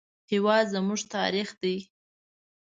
هېواد زموږ تاریخ دی